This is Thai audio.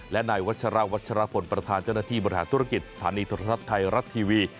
และนายวัชราวัชรพลประธานเจ้าหน้าที่บริหารธุรกิจสถานีโทรทัศน์ไทยรัฐทีวี